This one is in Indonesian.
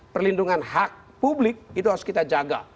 perlindungan hak publik itu harus kita jaga